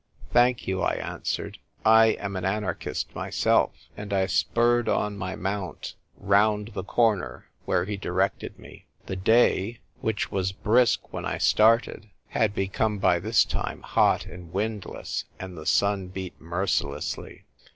"Thank you," I answered, "I am an anarchist myself" And I spurred on my mount, round the corner where he directed me. The day, which was brisk when I started, VIVE L'AN ARCHIE ! |5 had become by this time hot and windless, and the sun beat mercilessly.